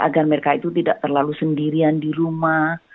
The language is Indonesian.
agar mereka itu tidak terlalu sendirian di rumah